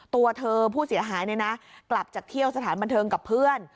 ตัวเธอผู้เสียหายกลับจากเที่ยวสถานบันเทิงกับเพื่อน